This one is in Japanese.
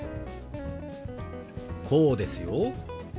こうですよ。